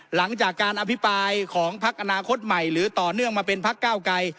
หลังจากการอภิปรายของพักอนาคตใหม่หรือต่อเนื่องมาเป็นพักเก้าไกร